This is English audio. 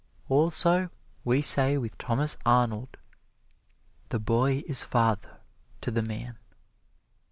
Also, we say with Thomas Arnold: "The boy is father to the man.